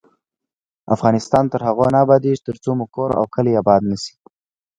افغانستان تر هغو نه ابادیږي، ترڅو مو کور او کلی اباد نشي.